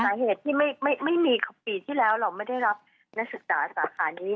สาเหตุที่ไม่มีปีที่แล้วเราไม่ได้รับนักศึกษาสาขานี้